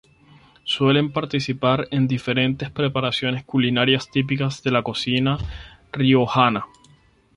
Suelen participar en diferentes preparaciones culinarias típicas de la cocina riojana.